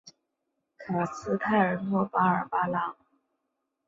卡斯泰尔诺巴尔巴朗。